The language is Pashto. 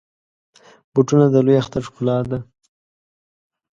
بوټونه د لوی اختر ښکلا ده.